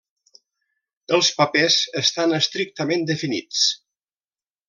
Els papers estan estrictament definits.